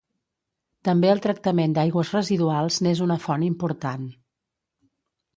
També el tractament d'aigües residuals n'és una font important.